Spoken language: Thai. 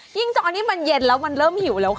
จอนี้มันเย็นแล้วมันเริ่มหิวแล้วค่ะ